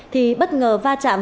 thì bất ngờ va chạm